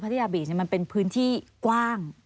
ยาบีมันเป็นพื้นที่กว้าง